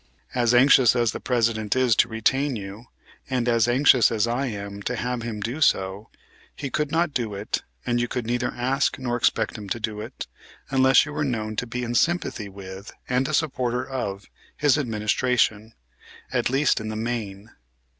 As anxious as the President is to retain you, and as anxious as I am to have him do so, he could not do it and you could neither ask nor expect him to do it, unless you were known to be in sympathy with, and a supporter of, his administration, at least in the main.